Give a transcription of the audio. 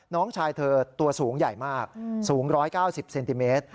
น้องชายเธอตัวสูงใหญ่มากสูง๑๙๐เซนติเมตร